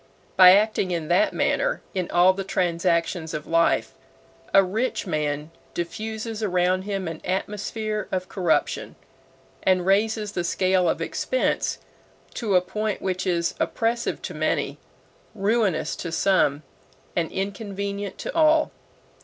By acting in that manner in all the transactions of life, a rich man diffuses around him an atmosphere of corruption, and raises the scale of expense to a point which is oppressive to many, ruinous to some, and inconvenient to all.